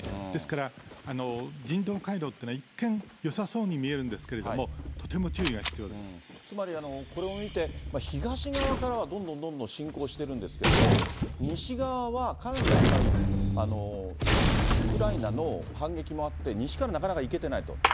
ですから、人道回廊ってのは一見よさそうに見えるんですけれども、とても注つまり、これを見て、東側からはどんどんどんどん侵攻してるんですけれども、西側はかなりやっぱり、ウクライナの反撃もあって、西からなかなか行けてないと。